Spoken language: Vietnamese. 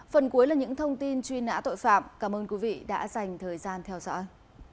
phần cuối là những thông tin truy nã tội phạm cảm ơn quý vị đã dành thời gian theo dõi